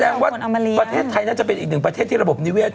แสดงว่าในไทยน่าจะเป็นอีกนึงประเทศที่ระบบนิเวศ